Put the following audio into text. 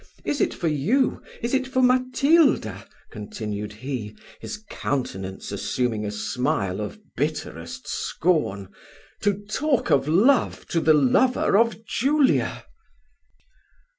Is it for you is it for Matilda," continued he, his countenance assuming a smile of bitterest scorn, "to talk of love to the lover of Julia?"